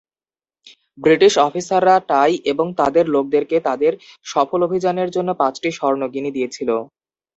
British অফিসাররা টাই এবং তার লোকদেরকে তাদের সফল অভিযানের জন্য পাঁচটি স্বর্ণ গিনি দিয়েছিল।